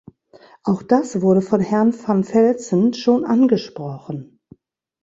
Auch das wurde von Herrn van Velzen schon angesprochen.